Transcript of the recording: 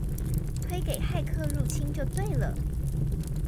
推給「駭客入侵」就對了！